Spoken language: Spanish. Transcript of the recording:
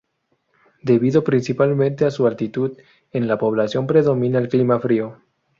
Debido principalmente a su altitud, en la población predomina el clima frío.